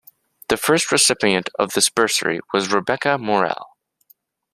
The first recipient of this bursary was Rebecca Morelle.